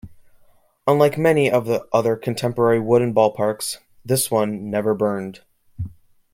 Unlike many of the other contemporary wooden ballparks-this one never burned.